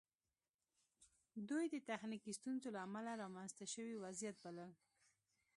دوی د تخنیکي ستونزو له امله رامنځته شوی وضعیت بلل